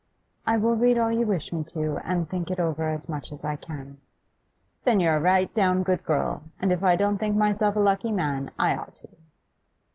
'I will read all you wish me to, and think over it as much as I can.' 'Then you're a right down good girl, and if I don't think myself a lucky man, I ought to.